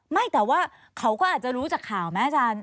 ไม่แต่ว่าเขาก็อาจจะรู้จากข่าวไหมอาจารย์